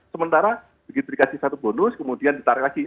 sementara begitu dikasih satu bonus kemudian ditarik lagi